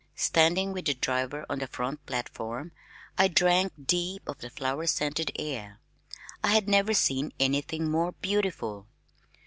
Standing with the driver on the front platform, I drank deep of the flower scented air. I had never seen anything more beautiful.